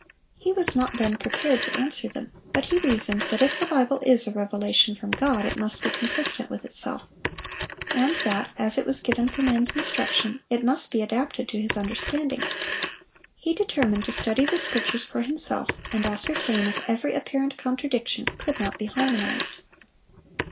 He was not then prepared to answer them; but he reasoned that if the Bible is a revelation from God, it must be consistent with itself; and that as it was given for man's instruction, it must be adapted to his understanding. He determined to study the Scriptures for himself, and ascertain if every apparent contradiction could not be harmonized.